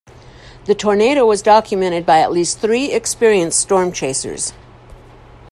The tornado was documented by at least three experienced storm chasers.